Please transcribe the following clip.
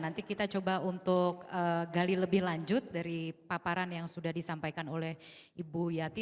nanti kita coba untuk gali lebih lanjut dari paparan yang sudah disampaikan oleh ibu yati